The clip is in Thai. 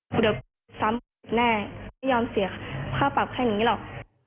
ดีเหนียวซ้ำพูชนาแน่ยัมษ์เสียคร่าวภาพแค่นี้หรอก